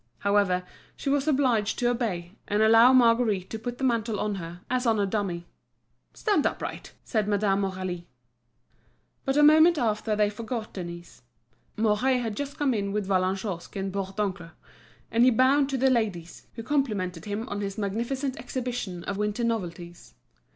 However, she was obliged to obey and allow Marguerite to put the mantle on her, as on a dummy. "Stand upright," said Madame Aurélie. But a moment after they forgot Denise. Mouret had just come in with Vallagnosc and Bourdoncle; and he bowed to the ladies, who complimented him on his magnificent exhibition of winter novelties.